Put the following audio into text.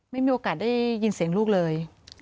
ไม่มีโอกาสได้ยินเสียงลูกเลย